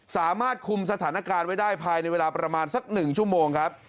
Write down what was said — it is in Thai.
สามารถคุมสถานการณ์ไว้ได้ภายในเวลาประมาณสัก๑ชั่วโมงครับ